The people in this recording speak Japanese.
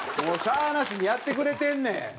もうしゃあなしにやってくれてんねん。